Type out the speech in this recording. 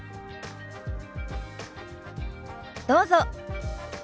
どうぞ。